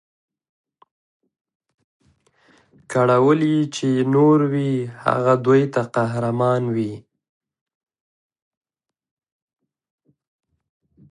کړولي چي یې نور وي هغه دوی ته قهرمان وي